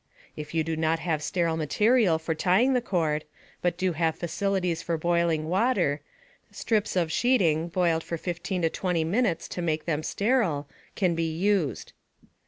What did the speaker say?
(If you do not have sterile material for tying the cord but do have facilities for boiling water, strips of sheeting boiled for 15 to 20 minutes to make them sterile can be used.)